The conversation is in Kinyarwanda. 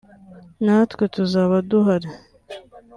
natwe tuzaba duhari